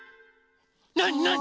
なになに？